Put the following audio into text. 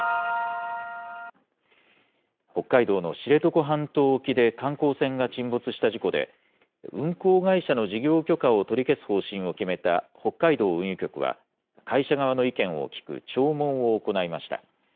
北海道の知床半島沖で観光船が沈没した事故で、運航会社の事業許可を取り消す方針を決めた北海道運輸局は、会社側の意見を聞く聴聞を行いました。